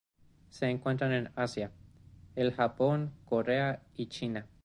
Se encuentran en Asia: el Japón, Corea y China.